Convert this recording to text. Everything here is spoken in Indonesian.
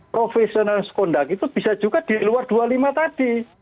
profesional sekundang itu bisa juga di luar dua puluh lima tadi